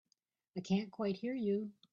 I can't quite hear you.